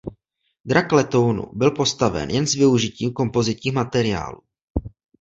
Drak letounu byl postaven jen s využitím kompozitních materiálů.